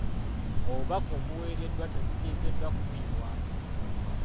Obubaka obuweereddwa tebuteekeddwa kufiibwako.